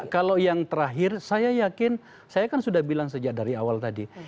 kalau yang terakhir saya yakin saya kan sudah bilang sejak dari awal tadi